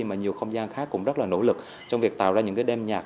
mà nhiều không gian khác cũng rất là nỗ lực trong việc tạo ra những đêm nhạc